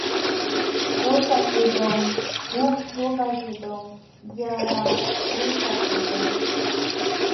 و څکېدم، اوږد وغځېدم، بیا را و څرخېدم.